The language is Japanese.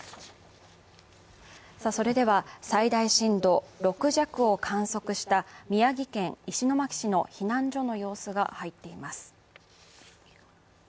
最大震度６弱を観測した宮城県石巻市の避難所の様子が入っています。